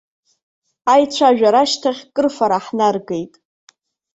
Аицәажәара ашьҭахь, крыфара ҳнаргеит.